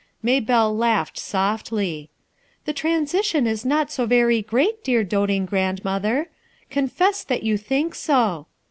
Maybelle laughed softly. "The transition was not so very great, dear doting grandmother! Confess that you think so.'